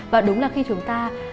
và đúng là khi chúng ta